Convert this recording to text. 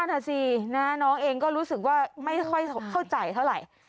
อ่ะสิน้องเองก็รู้สึกว่าไม่ค่อยเข้าใจเท่าไหร่